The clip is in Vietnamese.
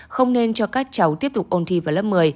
không nên cho các cháu tiếp tục ôn thi vào lớp một mươi